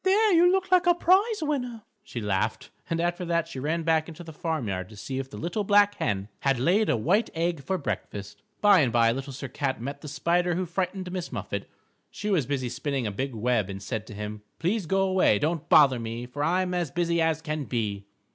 "There, you look like a prize winner," she laughed, and after that she ran back into the farm yard to see if the Little Black Hen had laid a white egg for breakfast. By and by Little Sir Cat met the Spider who frightened Miss Muffet. She was busy spinning a big web and said to him, "_Please go 'way, don't bother me, For I'm as busy as can be.